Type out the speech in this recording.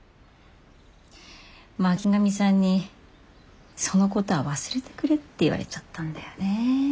巻上さんにそのことは忘れてくれって言われちゃったんだよね。